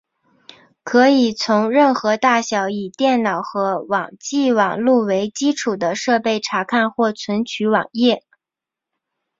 可以从任何大小以电脑和网际网路为基础的设备查看或存取网页。